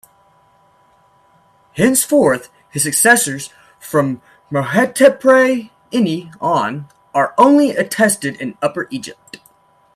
Henceforth, his successors, from Merhotepre Ini on, are only attested in Upper Egypt.